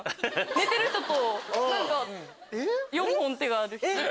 寝てる人と４本手がある人。